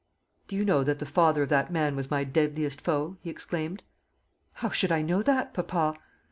"Do you know that the father of that man was my deadliest foe?" he exclaimed. "How should I know that, papa?"